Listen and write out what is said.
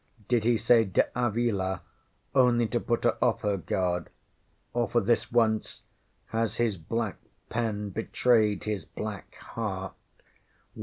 Did he say De Avila only to put her off her guard, or for this once has his black pen betrayed his black heart?